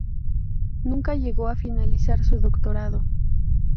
Nunca llegó a finalizar su doctorado.